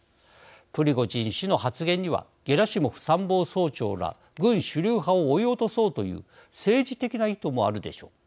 プリゴジン氏の発言にはゲラシモフ参謀総長ら軍主流派を追い落とそうという政治的な意図もあるでしょう。